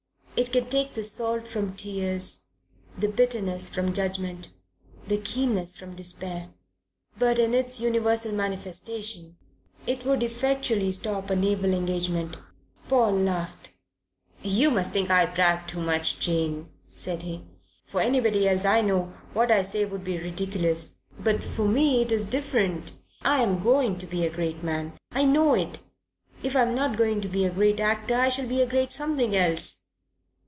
It can take the salt from tears, the bitterness from judgment, the keenness from despair; but in its universal manifestation it would effectually stop a naval engagement. Paul laughed. "You mustn't think I brag too much, Jane," said he. "For anybody else I know what I say would be ridiculous. But for me it's different. I'm going to be a great man. I know it. If I'm not going to be a great actor, I shall be a great something else.